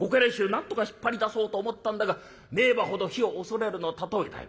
なんとか引っ張り出そうと思ったんだが『名馬ほど火を恐れる』の例えだよ。